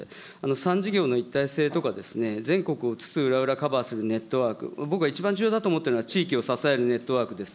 ３事業の一体性とか、全国を津々浦々カバーするネットワーク、僕は一番重要だと思っているのは、地域を支えるネットワークです。